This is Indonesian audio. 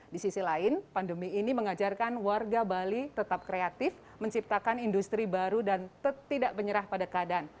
di sisi lain pandemi ini mengajarkan warga bali tetap kreatif menciptakan industri baru dan tidak menyerah pada keadaan